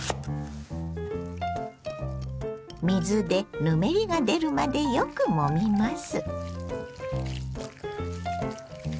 水でぬめりが出るまでよくもみます。